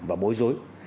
và bối rối